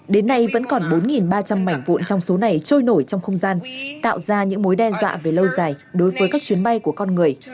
đến nay vẫn còn bốn ba trăm linh mảnh vụn trong số này trôi nổi trong không gian tạo ra những mối đe dọa về lâu dài đối với các chuyến bay của con người